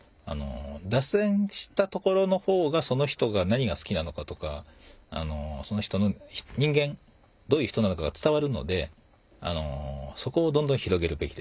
脱線したところの方がその人が何がすきなのかとかどういう人なのかが伝わるのでそこをどんどん広げるべきです。